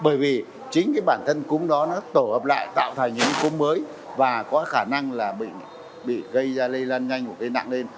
bởi vì chính cái bản thân cúm đó nó tổ hợp lại tạo thành những cúm mới và có khả năng là bị gây ra lây lan nhanh một cái nặng lên